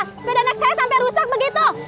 sepeda anak saya sampai rusak begitu